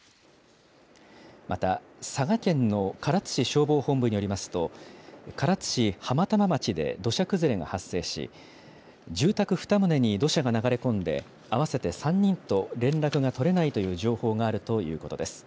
また、佐賀県の唐津市消防本部によりますと、唐津市浜玉町で土砂崩れが発生し、住宅２棟に土砂が流れ込んで、合わせて３人と連絡が取れないという情報があるということです。